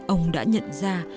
ông đã nhận ra